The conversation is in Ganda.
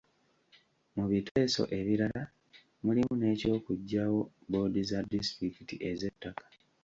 Mu biteeso ebirala mulimu n’eky'okuggyawo bboodi za disitulikiti ez’ettaka.